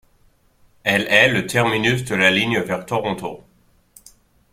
Elle est le terminus de la ligne vers Toronto.